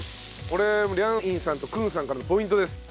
これリャンインさんとクンさんからのポイントです。